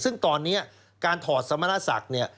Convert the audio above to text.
ซึ่งตอนนี้การถอดสมณศักดิ์เนี่ย